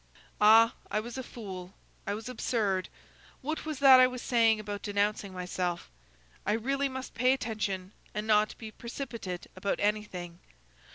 Ah! I was a fool! I was absurd! what was that I was saying about denouncing myself? I really must pay attention and not be precipitate about anything.